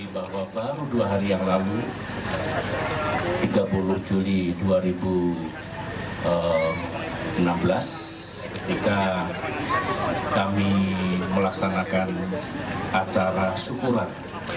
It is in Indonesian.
bahwa baru dua hari yang lalu tiga puluh juli dua ribu enam belas ketika kami melaksanakan acara syukuran